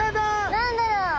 何だろう？